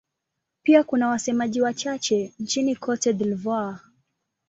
Pia kuna wasemaji wachache nchini Cote d'Ivoire.